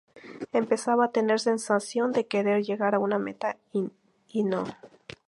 Empezaba a tener sensación de querer llegar a una meta y no.